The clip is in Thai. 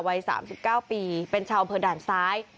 วัย๓๙ปีเป็นชาวอำเภอด่านซ้าย